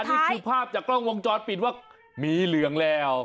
นี่คือภาพจากกล้องวงจรปิดว่าหมีเหลืองแล้ว